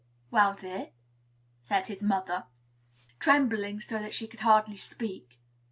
"Well, dear?" said his mother, trembling so that she could hardly speak.